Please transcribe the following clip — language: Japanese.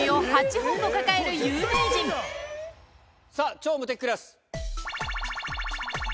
『超無敵クラス』。